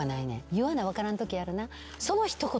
言わな分からんときあるな。